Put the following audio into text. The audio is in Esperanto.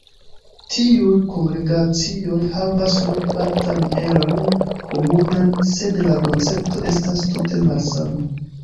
Tiuj kongregacioj havas nur partan eron komunan, sed la koncepto estas tute malsama.